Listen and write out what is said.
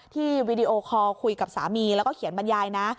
วีดีโอคอลคุยกับสามีแล้วก็เขียนบรรยายนะ